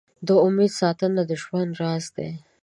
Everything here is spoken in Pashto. د امېدو ساتنه د ژوند راز دی.